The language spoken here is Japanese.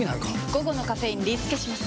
午後のカフェインリスケします！